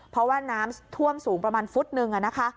เพราะว่าน้ำท่วมสูงประมาณฟุตนึงนะคะ